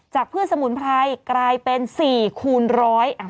พืชสมุนไพรกลายเป็น๔คูณร้อย